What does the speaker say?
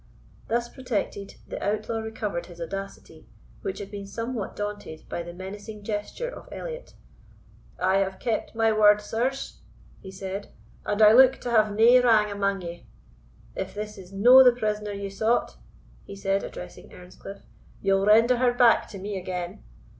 Thus protected, the outlaw recovered his audacity, which had been somewhat daunted by the menacing gesture of Elliot. "I have kept my word, sirs," he said, "and I look to have nae wrang amang ye. If this is no the prisoner ye sought," he said, addressing Earnscliff, "ye'll render her back to me again.